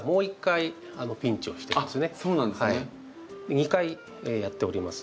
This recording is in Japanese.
２回やっております。